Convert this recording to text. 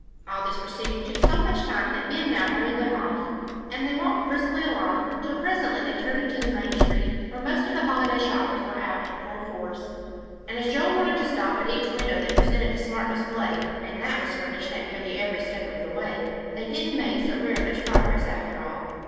All this proceeding took so much time that Ben now hurried them off, and they walked briskly along till presently they turned into the main street where the most of the holiday shoppers were out in full force. And as Joel wanted to stop at each window that presented a smart display, and that was furnished at nearly every step of the way, they didn't make so very much progress after all.